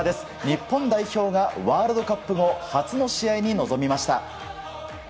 日本代表がワールドカップの初の試合に臨みました。